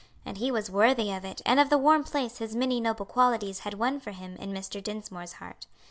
And he was worthy of it and of the warm place his many noble qualities had won for him in Mr. Dinsmore's heart.